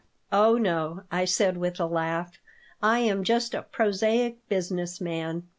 "Oh no," I said, with a laugh. "I am just a prosaic business man."